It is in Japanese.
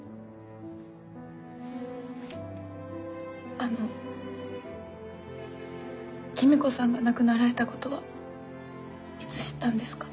あの公子さんが亡くなられたことはいつ知ったんですか？